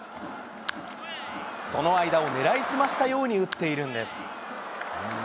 その間を狙い澄ましたように打っているんです。